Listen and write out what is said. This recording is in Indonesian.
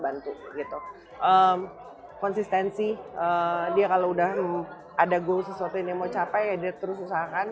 tentu gitu konsistensi dia kalau udah ada gue sesuatu ini mau capai edit terus usahakan